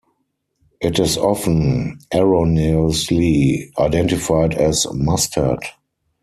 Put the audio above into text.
It is often erroneously identified as mustard.